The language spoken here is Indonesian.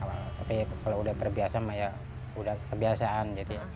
awal memang susah gitu tapi kalau udah berbiasa udah kebiasaan